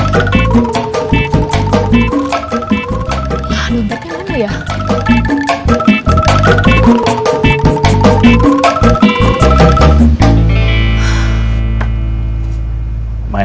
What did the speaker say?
lalu bukti mana ya